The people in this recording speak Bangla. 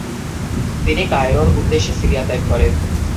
তিনি কায়রোর উদ্দেশ্যে সিরিয়া ত্যাগ করেন।